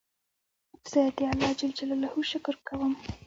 زه د الله جل جلاله شکر کوم.